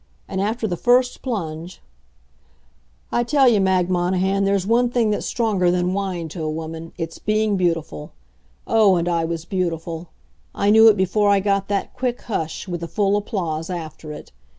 And after the first plunge I tell you, Mag Monahan, there's one thing that's stronger than wine to a woman it's being beautiful. Oh! And I was beautiful. I knew it before I got that quick hush, with the full applause after it.